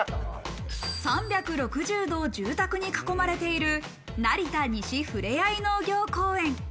３６０度、住宅に囲まれている成田西ふれあい農業公園。